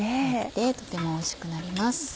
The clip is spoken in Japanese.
とてもおいしくなります。